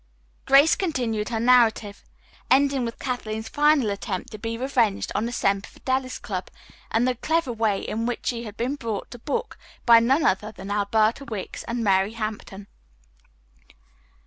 Grace continued her narrative, ending with Kathleen's final attempt to be revenged on the Semper Fidelis Club, and the clever way in which she had been brought to book by none other than Alberta Wicks and Mary Hampton.